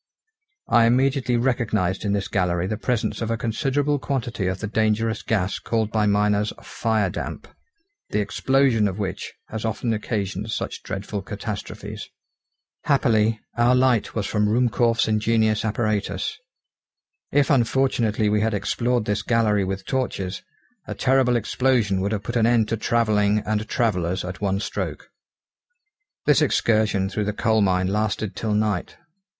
I immediately recognised in this gallery the presence of a considerable quantity of the dangerous gas called by miners firedamp, the explosion of which has often occasioned such dreadful catastrophes. Happily, our light was from Ruhmkorff's ingenious apparatus. If unfortunately we had explored this gallery with torches, a terrible explosion would have put an end to travelling and travellers at one stroke. This excursion through the coal mine lasted till night.